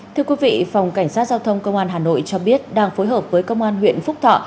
thưa quý vị phòng cảnh sát giao thông công an hà nội cho biết đang phối hợp với công an huyện phúc thọ